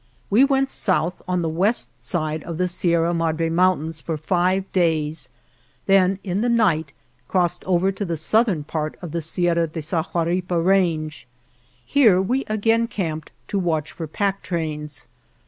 We went south on the west side of the Sierra Madre Mountains for five days ; then in the night crossed over to the southern part of the Sierra de Sahuaripa range. Here we again camped to watch for pack trains.